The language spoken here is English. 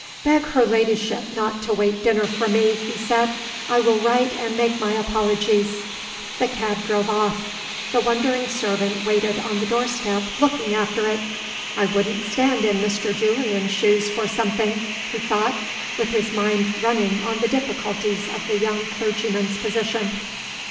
"Beg her ladyship not to wait dinner for me," he said. "I will write and make my apologies." The cab drove off. The wondering servant waited on the doorstep, looking after it. "I wouldn't stand in Mr. Julian's shoes for something," he thought, with his mind running on the difficulties of the young clergyman's position.